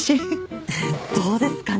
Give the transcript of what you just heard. どうですかね。